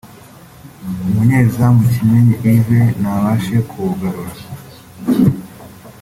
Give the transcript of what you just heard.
umunyezamu Kimenyi Yves ntabashe kuwugarura